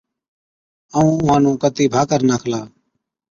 ائُون اُونهان نُون ڪتِي ڀاڪر ناکلا۔